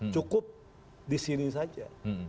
cukup di sini saja